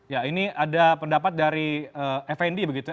ya ini ada pendapat dari fnd begitu